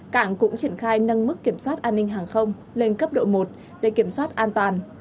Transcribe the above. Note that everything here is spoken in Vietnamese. tăng cường số lượng nhân viên kiểm soát an ninh hàng không lên cấp độ một để kiểm soát an toàn